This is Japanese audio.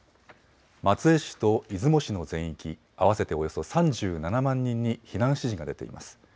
松江市と出雲市の全域合わせておよそ３７万人に避難指示が出ています。